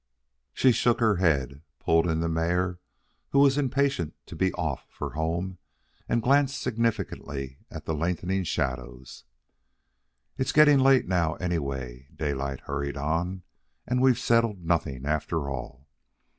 She shook her head, pulled in the mare, who was impatient to be off for home, and glanced significantly at the lengthening shadows. "It's getting late now, anyway," Daylight hurried on, "and we've settled nothing after all.